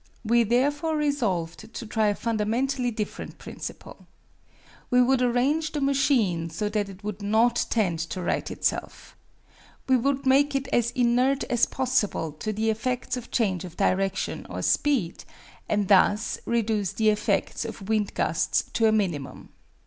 We therefore resolved to try a fundamentally different principle. We would arrange the machine so that it would not tend to right itself. We would make it as inert as possible to the effects of change of direction or speed, and thus reduce the effects of wind gusts to a minimum.